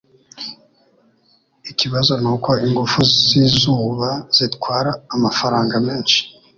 Ikibazo nuko ingufu zizuba zitwara amafaranga menshi.